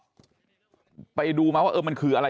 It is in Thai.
ผมก็ไปดูมั้ยว่ามันคืออะไร